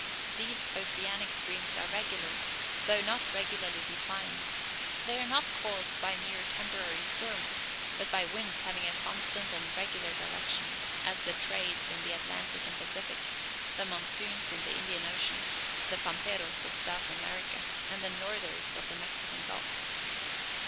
These oceanic streams are regular, though not regularly defined. They are not caused by mere temporary storms, but by winds having a constant and regular direction; as the "trades" in the Atlantic and Pacific, the "monsoons" in the Indian Ocean, the "pamperos" of South America, and the "northers" of the Mexican Gulf.